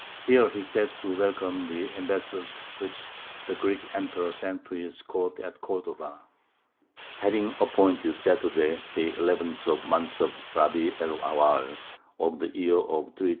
Here he sat to welcome the ambassadors which the Greek Emperor sent to his court at Cordova: "Having appointed Saturday the eleventh of the month of Rabi' el Awwal, of the year 338 [A.